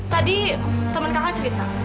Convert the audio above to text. tadi temen kakak cerita